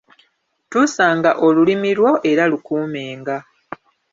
Tuusanga olulimi lwo era lukuumenga.